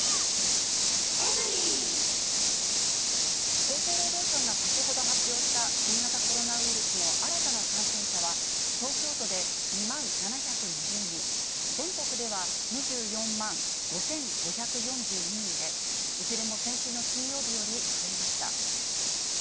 厚生労働省が先ほど発表した新型コロナウイルスの新たな感染者は、東京都で２万７２０人、全国では２４万５５４２人で、いずれも先週の金曜日より増えました。